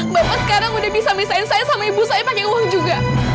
bapak sekarang udah bisa misahin saya sama ibu saya pakai uang juga